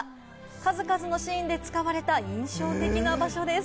数々のシーンで使われた印象的な場所です。